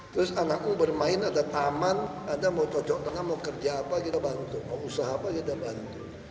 terus anakku bermain ada taman ada mau cocok tengah mau kerja apa kita bantu mau usaha apa kita bantu